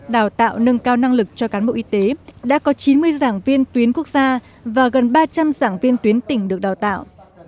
đào tạo nâng cao năng lực cho cán bộ y tế đã có chín mươi giảng viên tuyến quốc gia và gần ba trăm linh giảng viên tuyến tỉnh được đào tạo